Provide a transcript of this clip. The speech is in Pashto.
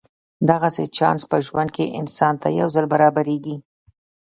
دغسې چانس په ژوند کې انسان ته یو ځل برابرېږي.